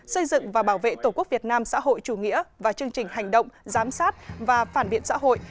xây dựng và bảo vệ tổ quốc việt nam xã hội chủ nghĩa và chương trình hành động giám sát và phản biện xã hội